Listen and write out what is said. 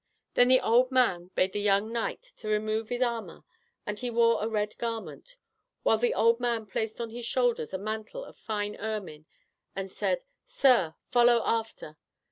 Then the old man bade the young knight to remove his armor, and he wore a red garment, while the old man placed on his shoulders a mantle of fine ermine, and said, "Sir, follow after."